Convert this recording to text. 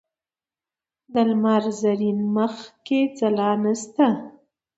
د لمر زرین مخ کې ځلا نشته